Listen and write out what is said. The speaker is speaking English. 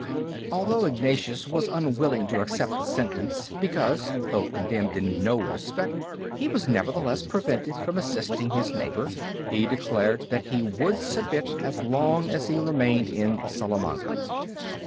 Although Ignatius was unwilling to accept the sentence, because, though condemned in no respect, he was nevertheless prevented from assisting his neighbor, he declared that he would submit as long as he remained in Salamanca.